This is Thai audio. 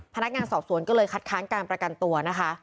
พนักงานสอบสวนก็เลยคัดค้านการประกันตัวนะคะ